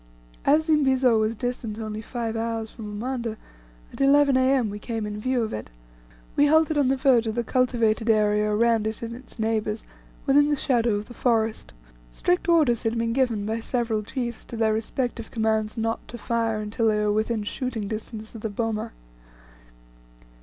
As Zimbizo was distant only five hours from Umanda, at 11 A.M. we came in view of it. We halted on the verge of the cultivated area around it and its neighbours within the shadow of the forest. Strict orders had been given by the several chiefs to their respective commands not to fire, until they were within shooting distance of the boma.